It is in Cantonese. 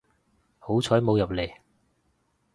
好彩冇入嚟